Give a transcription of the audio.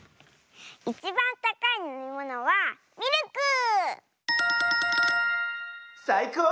いちばんたかいのみものはミルク！さいこう！